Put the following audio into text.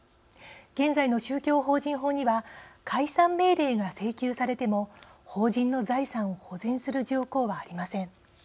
現在の宗教法人法には解散命令が請求されても法人の財産を保全する条項はありません。